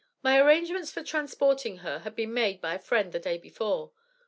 "My arrangements for transporting her had been made by a friend the day before.